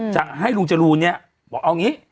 จะให้ลุงจรูนเนี่ยบอกเอาอย่างนี้